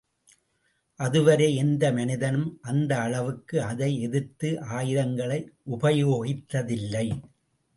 அதுவரை எந்த மனிதனும் அந்த அளவுக்கு அதை எதிர்த்து ஆயுதங்களை உபயோகித்ததில்லை.